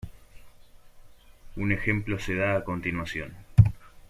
Un ejemplo se da a continuación.